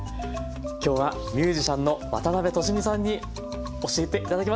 今日はミュージシャンの渡辺俊美さんに教えて頂きました。